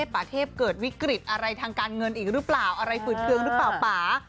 ป่าเทพเกิดวิกฤตอะไรทางการเงินอีกหรือเปล่าอะไรฝืดเครื่องหรือเปล่าป่า